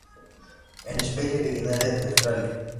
Es especie originaria de Australia.